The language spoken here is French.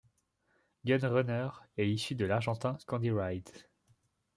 Gun Runner est issu de l'Argentin Candy Ride.